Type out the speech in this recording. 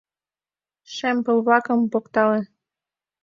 Шем пыл-влакым поктале.